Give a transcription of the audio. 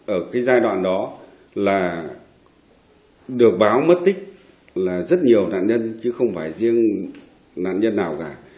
ở cái giai đoạn đó là được báo mất tích là rất nhiều nạn nhân chứ không phải riêng nạn nhân nào cả